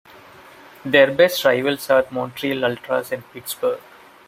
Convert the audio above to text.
Their biggest rivals are the Montreal Ultras and Pittsburgh.